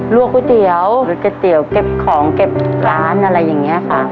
วกก๋วยเตี๋ยวลวกก๋วยเตี๋ยวเก็บของเก็บร้านอะไรอย่างนี้ค่ะ